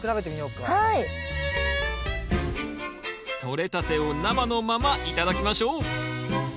とれたてを生のまま頂きましょう！